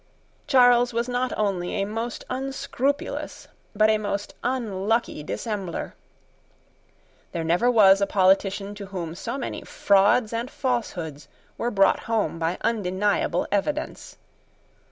Charles was not only a most unscrupulous but a most unlucky dissembler. There never was a politician to whom so many frauds and falsehoods were brought home by undeniable evidence.